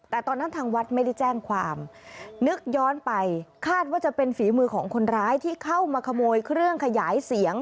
แต่ตอนนั้นทางวัดไม่ได้แจ้งความนึกย้อนไปคาดว่าจะเป็นฝีมือของคนร้ายที่เข้ามาขโมยเครื่องขยายเสียง